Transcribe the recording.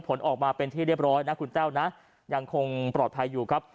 ผลออกมาเป็นที่เรียบร้อยนะคุณแต้วนะยังคงปลอดภัยอยู่ครับ